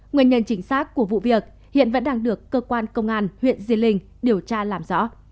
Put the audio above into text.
nguyên nhân chính xác của vụ việc hiện vẫn đang được cơ quan công an huyện diên điều tra làm rõ